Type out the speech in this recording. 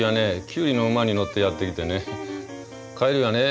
キュウリの馬に乗ってやって来てね帰りはね